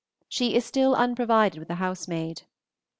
She is still unprovided with a housemaid.